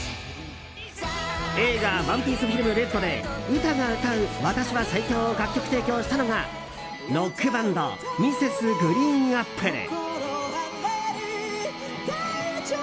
映画「ＯＮＥＰＩＥＣＥＦＩＬＭＲＥＤ」でウタが歌う「私は最強」を楽曲提供したのがロックバンド、Ｍｒｓ．ＧＲＥＥＮＡＰＰＬＥ。